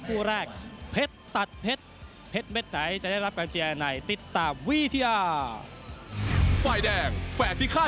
คู่แรกเผ็ดตัดเผ็ดเผ็ดเม็ดไหนจะได้รับการเจียร์ไหนติดตามวิทยา